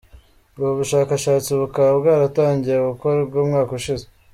Ubu bushakashatsi bukaba bwaratangiye gukorwa umwaka ushize.